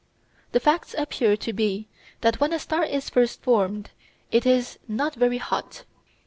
The facts appear to be that when a star is first formed it is not very hot.